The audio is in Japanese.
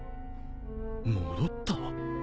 戻った？